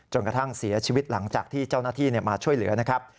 กระทั่งเสียชีวิตหลังจากที่เจ้าหน้าที่มาช่วยเหลือนะครับ